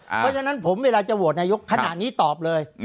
เพราะฉะนั้นผมเวลาจะโหวตนายกขณะนี้ตอบเลย